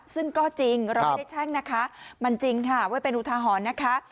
ซึ่งก็จริงเราไม่ได้แช่งนะคะมันจริงค่ะไว้เป็นอุทาหรณ์นะคะ